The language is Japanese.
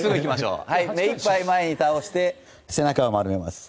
目いっぱい前に倒して背中を丸めます。